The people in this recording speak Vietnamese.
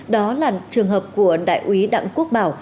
đó là trường hợp của đại úy đặng quốc bảo